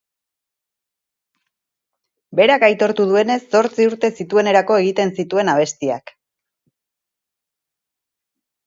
Berak aitortu duenez, zortzi urte zituenerako egiten zituen abestiak.